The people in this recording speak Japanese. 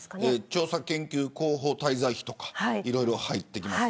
調査研究広報滞在費とかいろいろ入ってきます。